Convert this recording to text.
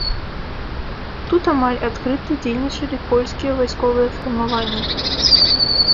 Тут амаль адкрыта дзейнічалі польскія вайсковыя фармаванні.